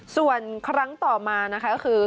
ส่วนครั้งต่อมานะคะก็คือ